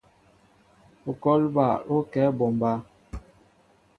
Ŋkɔl bal ó kɛ á mɓombá.